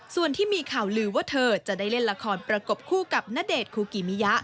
ส่วนที่มีข่าวลือว่าเธอจะได้เล่นละครประกบคู่กับณเดชน์คูกิมิยะ